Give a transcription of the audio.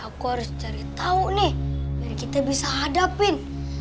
aku harus cari tahu nih biar kita bisa hadapin